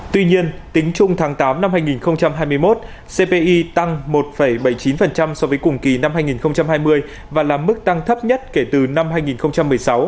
tuy nhiên tính chung tháng tám năm hai nghìn hai mươi một cpi tăng một bảy mươi chín so với cùng kỳ năm hai nghìn hai mươi và là mức tăng thấp nhất kể từ năm hai nghìn một mươi sáu